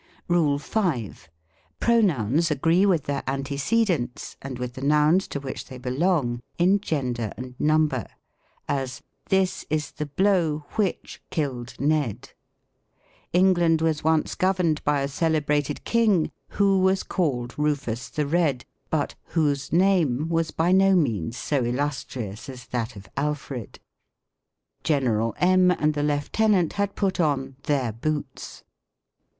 RULE V. Pronouns agree with their antecedents, and with the nouns to which they belong, in gender and number : as, « This is the blow which killed Ned." " England was once governed by a celebrated King, icho was called Rufus the Red, but whose name was by no means so illustrious as that of Alfred." " General M. and the Lieutenant had put on their boots."